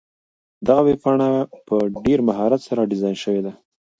دغه ویبپاڼه په ډېر مهارت سره ډیزاین شوې ده.